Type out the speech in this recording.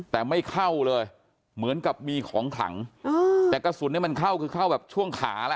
แต่ไม่เข้าเลยเหมือนกับมีของขลังแต่กระสุนเนี่ยมันเข้าคือเข้าแบบช่วงขาแล้ว